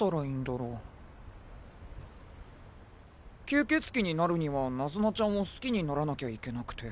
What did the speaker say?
吸血鬼になるにはナズナちゃんを好きにならなきゃいけなくて。